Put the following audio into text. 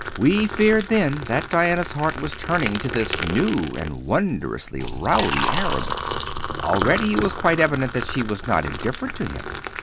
We feared, then, that Diana's heart was turning to this new and wondrously rowdy Arab. Already it was quite evident that she was not indifferent to him.